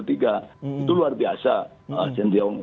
itu luar biasa sintiung